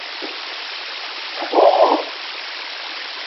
Joshua Marcuse es el actual Director Ejecutivo de la junta.